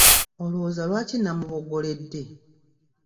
Olowooza lwaki namuboggoledde?